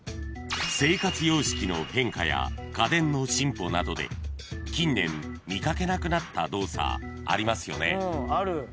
［生活様式の変化や家電の進歩などで近年見掛けなくなった動作ありますよね］